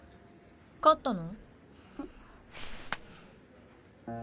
勝ったの？